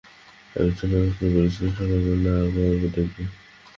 আমি চলর আসার সময় বলেছিলাম, সকালবেলা আবার দেখব।